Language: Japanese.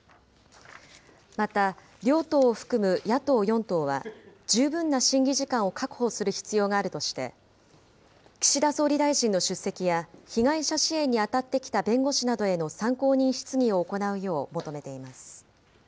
また、両党を含む野党４党は、十分な審議時間を確保する必要があるとして、岸田総理大臣の出席や、被害者支援に当たってきた弁護士などへの参考人質疑を行うよう求めています。